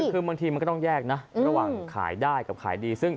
คือบางทีมันก็ต้องแยกนะระหว่างขายได้กับขายดีซึ่ง